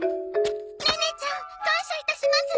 ネネちゃん！感謝いたします！